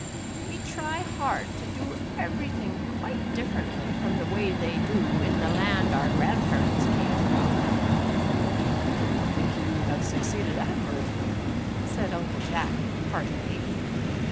We try hard to do everything quite dif ferently from the way they do in the land our grandparents came from." " I think you have succeeded admirably," said Uncle Jack, heartily.